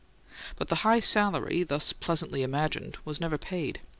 But the high salary, thus pleasantly imagined, was never paid.